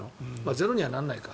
ゼロにはならないか。